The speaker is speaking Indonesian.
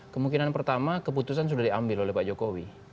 kemungkinan pertama keputusan sudah diambil oleh pak jokowi